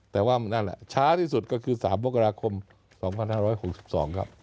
แต่ว่านั่นแหละช้าที่สุดก็คือ๓มกราคม๒๕๖๒ครับ